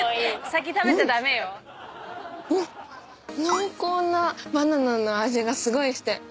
濃厚なバナナの味がすごいして。